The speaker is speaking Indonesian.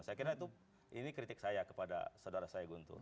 saya kira itu kritik saya kepada saudara saya guntur